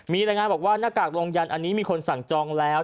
มีรายงานบอกว่าหน้ากากลงยันอันนี้มีคนสั่งจองแล้ว